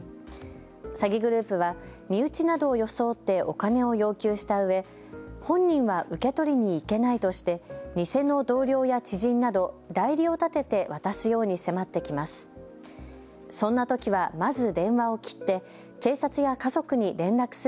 詐欺グループは身内などを装ってお金を要求したうえ本人は受け取りに行けないとして偽の同僚や知人など代理を立てて渡すように迫ってきます。